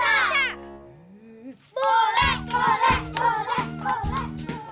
berisik berisik berisik